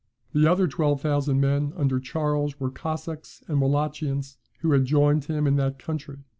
The other twelve thousand men under Charles were Cossacks and Wallachians, who had joined him in that country.